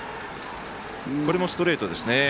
これもストレートですね。